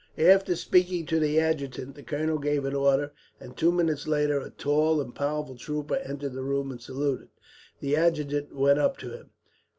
After speaking to the adjutant the colonel gave an order and, two minutes later, a tall and powerful trooper entered the room and saluted. The adjutant went up to him.